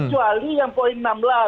kecuali yang poin enam belas